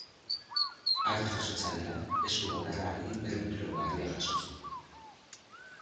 Harri-jasotzaileak, esku bakarrarekin berrehun kiloko harria jaso zuen.